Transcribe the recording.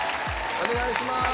お願いします